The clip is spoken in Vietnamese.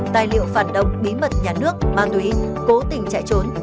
tài liệu phản động bí mật nhà nước ban tùy cố tình chạy trốn